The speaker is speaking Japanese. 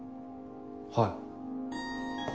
はい。